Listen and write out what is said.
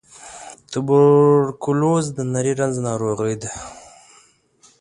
توبرکلوز د نري رنځ ناروغۍ ده.